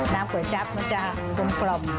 ก๋วยจั๊บมันจะกลม